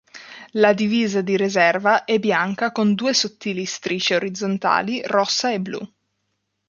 La divisa di riserva è bianca con due sottili strisce orizzontali rossa e blu.